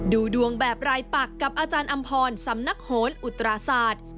ดูดวงแบบรายปักกับอาจารย์อำพรสำนักโหนอุตราศาสตร์